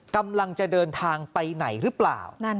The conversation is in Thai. กำลังจะเดินทางไปไหนหรือเปล่า